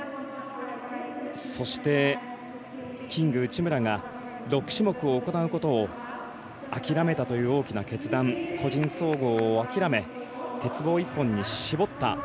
そして、キング、内村が６種目を行うことを諦めたという大きな決断個人総合を諦め鉄棒一本に絞った。